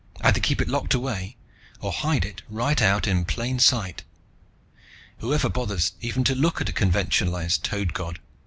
Either keep it locked away, or hide it right out in plain sight. Whoever bothers even to look at a conventionalized Toad God?